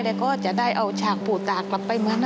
และจะได้เอาฉากผู่น่ากลับไปเมืองนคร